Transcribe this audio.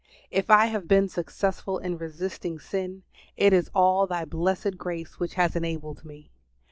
If I have been successful in resisting sin, it is all Thy blessed grace which has enabled me.